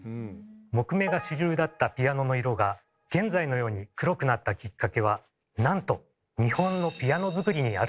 木目が主流だったピアノの色が現在のように黒くなったキッカケはなんと日本のピアノ作りにあるんです。